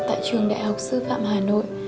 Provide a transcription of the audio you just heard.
tại trường đại học sư phạm hà nội